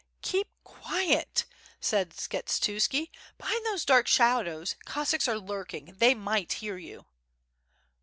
"Keep quiet," said Skshetuski, ^^hind those dark shadows Cossacks are lurking, they might hear you."